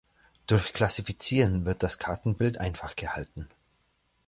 Durch Klassifizieren wird das Kartenbild einfach gehalten.